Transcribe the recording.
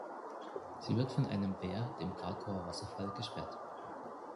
Sie wird von einem Wehr, dem Cracauer Wasserfall, gesperrt.